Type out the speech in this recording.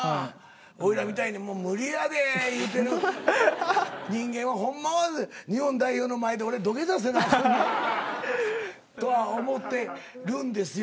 俺らみたいに無理やで言うてる人間はほんまは日本代表の前で俺土下座せなあかんねん。とは思ってるんですよ。